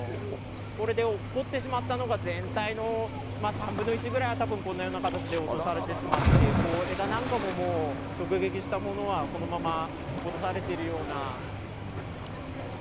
これでおっこってしまったのが、全体の３分の１ぐらいは、たぶん、このような形で落とされてしまって、枝なんかも、もう直撃したものは、このまま落っことされているような。